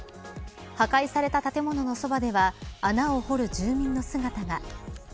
破壊された建物のそばでは穴を掘る住民の姿が。